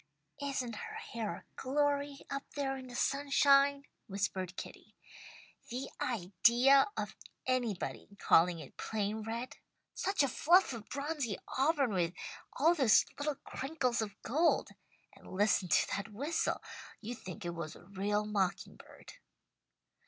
"Isn't her hair a glory, up there in the sunshine?" whispered Kitty. "The idea of anybody calling it plain red such a fluff of bronzy auburn with all those little crinkles of gold! And listen to that whistle! You'd think it was a real mocking bird."